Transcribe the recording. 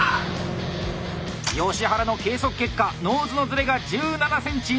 吉原の計測結果ノーズのズレが１７ｃｍ以内。